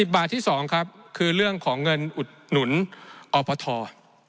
๑๐บาทที่๒คือเรื่องของเงินอุดหนุนออปทร